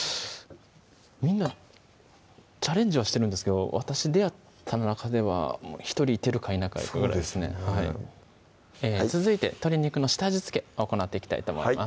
みんなチャレンジはしてるんですけど私出会った中では１人いてるかいないかぐらいですね続いて鶏肉の下味付け行っていきたいと思います